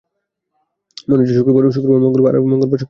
মনে হচ্ছে শুক্রবার, মঙ্গলবার আর মঙ্গলবার শুক্রবার হয়ে গেছে।